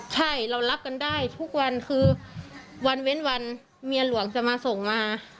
ใช่เรารับกันได้ทุกวันคือวันเว้นวันเมียหลวงจะมาส่งมา